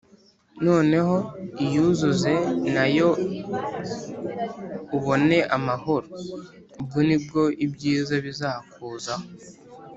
“noneho iyuzuze na yo ubone amahoro, ubwo ni bwo ibyiza bizakuzaho